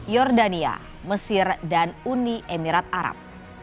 jordania mesir dan uni emirat arab